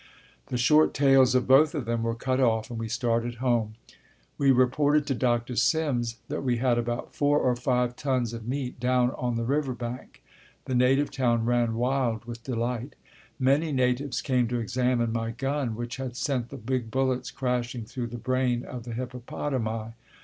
The short tails of both of them were cut off and we started home. We reported to Dr. Simms that we had about four or five tons of meat down on the river bank. The native town ran wild with delight. Many natives came to examine my gun which had sent the big bullets crashing through the brain of the hippopotami.